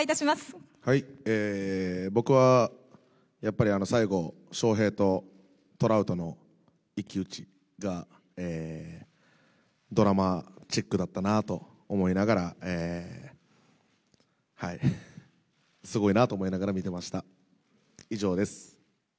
僕はやっぱり最後、翔平とトラウトの一騎打ちが、ドラマチックだったなと思いながら、はい、すごいなと思いながら見てました。